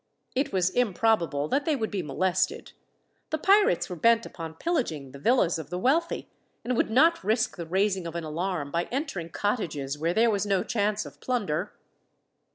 It was improbable that they would be molested. The pirates were bent upon pillaging the villas of the wealthy, and would not risk the raising of an alarm by entering cottages where there was no chance of plunder.